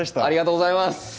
ありがとうございます。